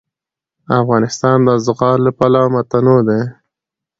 افغانستان د زغال له پلوه متنوع دی.